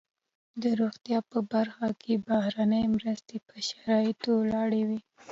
د روغتیا په برخه کې بهرنۍ مرستې پر شرایطو ولاړې وي.